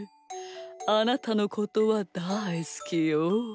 あなたのことはだいすきよ。